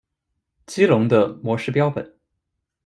激龙的模式标本。